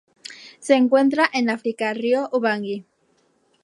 Se encuentra en África: río Ubangui.